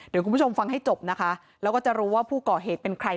เดี๋ยวคุณผู้ชมฟังให้จบนะคะแล้วก็จะรู้ว่าผู้ก่อเหตุเป็นใคร